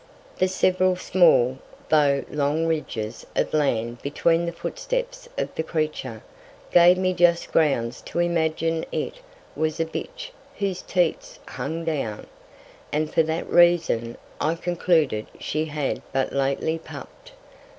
The several small, tho' long Ridges of Land between the Footsteps of the Creature, gave me just Grounds to imagine it was a Bitch whose Teats hung down; and for that Reason, I concluded she had but lately pupp'd.